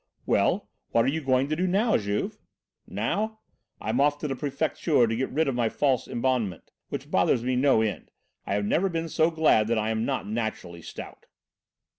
"Well, what are you going to do now, Juve?" "Now? I'm off to the Prefecture to get rid of my false embonpoint, which bothers me no end. I have never been so glad that I am not naturally stout."